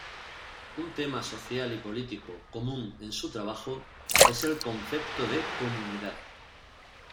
Un tema social y político común en su trabajo es el concepto de comunidad.